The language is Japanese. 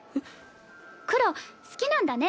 黒好きなんだね。